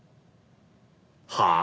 はあ？